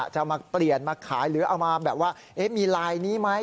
จะมาเปลี่ยนมาขายหรือเอามาแบบว่ามีลายนี้ไหม